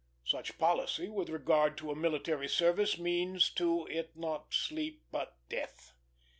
Such policy with regard to a military service means to it not sleep, but death.